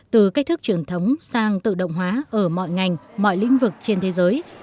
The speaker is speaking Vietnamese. từ cách thức truyền thống sang tự động hóa ở mọi ngành mọi lĩnh vực trên thế giới